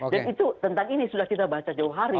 dan itu tentang ini sudah kita baca jauh hari